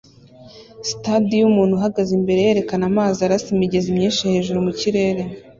Sitade yumuntu uhagaze imbere yerekana amazi arasa imigezi myinshi hejuru mukirere